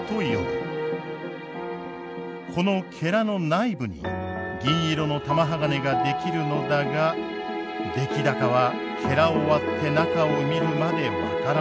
このの内部に銀色の玉鋼が出来るのだが出来高はを割って中を見るまで分からない。